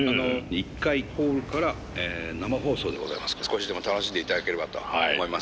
１階ホールから生放送でございますから少しでも楽しんでいただければと思います。